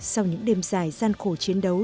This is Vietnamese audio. sau những đêm dài gian khổ chiến đấu